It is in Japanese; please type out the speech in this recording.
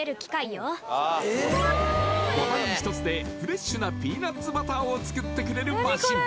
ボタン一つでフレッシュなピーナッツバターを作ってくれるマシン